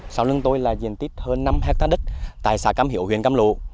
sau lưng tôi là diện tích hơn năm hectare đất tại xã cam hiếu huyện cam lộ